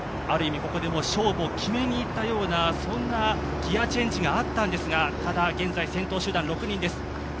ある意味、ここで勝負を決めにいったようなそんなギヤチェンジがあったんですがただ、現在、先頭集団６人です。